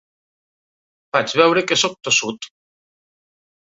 Faig veure que sóc tossut.